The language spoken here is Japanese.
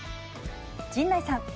陣内さん。